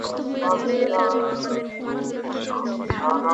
উচ্চতম দেবতাগণও মৃত্যুমুখে পতিত হন।